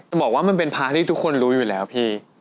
บอกว่ามันเป็นพระที่ทุกคนรู้อยู่แล้วพี่